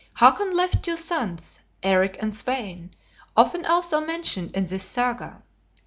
Hakon left two sons, Eric and Svein, often also mentioned in this Saga.